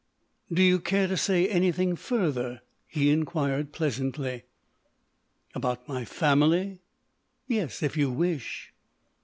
"Do you care to say anything further?" he inquired, pleasantly. "About my family? Yes, if you wish.